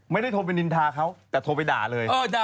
ไม่ได้โทรไปนินทาเขาแต่โทรไปด่าเลย